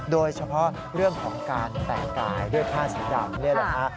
โดยเฉพาะเรื่องของการแต่งกายด้วยผ้าสีดำ